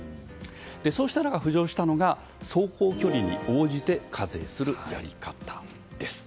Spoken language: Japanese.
そうした中、浮上したのが走行距離に応じて課税するやり方です。